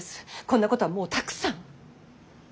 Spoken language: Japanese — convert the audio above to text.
こんなことはもうたくさん！